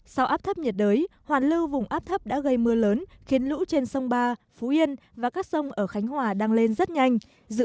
sau áp thấp nhiệt đới hoàn lưu vùng áp thấp đã gây mưa lớn khiến lũ trên sông ba phú yên và các sông ở khánh hòa đang lên rất nhanh